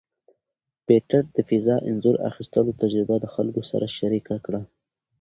پېټټ د فضا انځور اخیستلو تجربه د خلکو سره شریکه کړه.